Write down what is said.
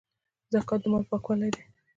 زکات د مال پاکوالی دی